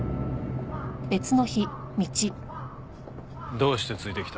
どうしてついてきた？